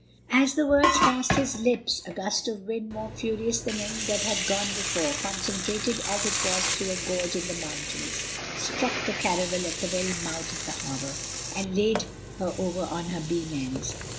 As the words passed his lips a gust of wind, more furious than any that had gone before, concentrated as it was through a gorge in the mountains, struck the caravel at the very mouth of the harbour, and laid her over on her beam ends.